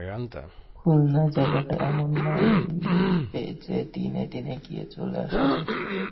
খুলনা জায়গাটাও এমন নয় যে দিনে দিনে গিয়ে চলে আসা যায়।